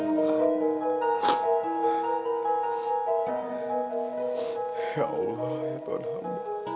ya allah ya tuhan